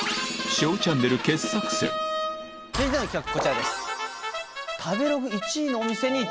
続いての企画こちらです。